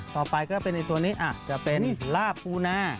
ต่อไปก็เป็นตัวนี้อาจจะเป็นลาบปูนา